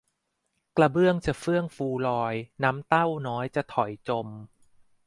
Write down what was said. กระเบื้องจะเฟื่องฟูลอย น้ำเต้าน้อยจะถอยจม